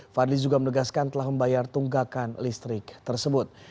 fadli juga menegaskan telah membayar tunggakan listrik tersebut